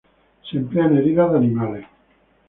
Se emplea en heridas de animales.